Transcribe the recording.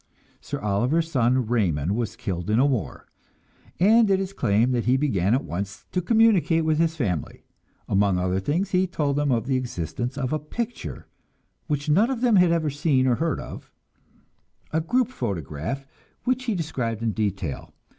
Sir Oliver's son Raymond was killed in the war, and it is claimed that he began at once to communicate with his family. Among other things, he told them of the existence of a picture, which none of them had ever seen or heard of, a group photograph which he described in detail.